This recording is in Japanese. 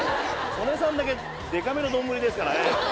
曽根さんだけデカめの丼ですからね。